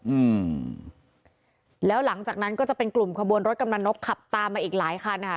อืมแล้วหลังจากนั้นก็จะเป็นกลุ่มขบวนรถกำนันนกขับตามมาอีกหลายคันค่ะ